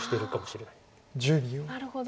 なるほど。